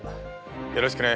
よろしくね。